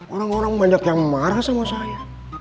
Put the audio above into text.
orang orang banyak yang marah sama saya